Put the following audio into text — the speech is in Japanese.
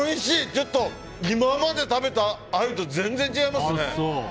ちょっと、今まで食べたアユと全然違いますね。